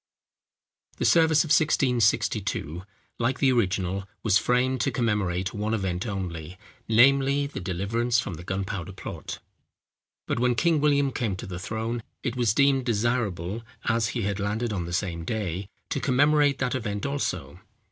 ] The service of 1662, like the original, was framed to commemorate one event only, namely, the deliverance from the gunpowder plot; but when King William came to the throne, it was deemed desirable, as he had landed on the same day, to commemorate that event also.